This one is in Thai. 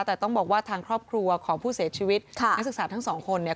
แต่ต้องบอกว่าทางครอบครัวของผู้เสียชีวิตค่ะนักศึกษาทั้งสองคนเนี่ย